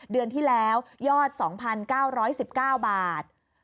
เดือนที่แล้วยอด๒๙๑๙บาท